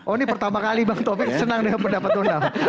oh ini pertama kali bang taufik senang dengan pendapat donald